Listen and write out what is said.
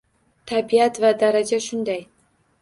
Tabiat va daraja shunday